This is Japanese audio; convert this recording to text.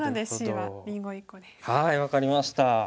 はい分かりました。